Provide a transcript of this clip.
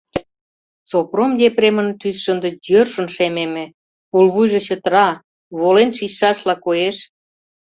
Сопром Епремын тӱсшӧ ынде йӧршын шемеме, пулвуйжо чытыра, волен шичшашла коеш.